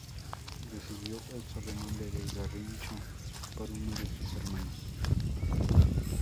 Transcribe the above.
Recibió el sobrenombre de "Garrincha" por uno de sus hermanos.